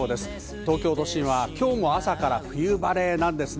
東京都心は今日も朝から冬晴れなんですね。